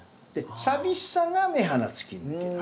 「淋しさが目鼻つきぬけ」